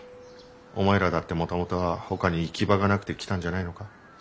お前らだってもともとはほかに行き場がなくて来たんじゃないのか？